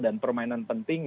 dan permainan penting